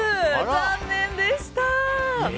残念でした。